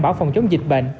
bảo phòng chống dịch bệnh